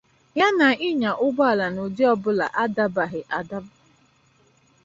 ya na ịnyà ụgbọala n'ụdị ọbụla adabaghị adaba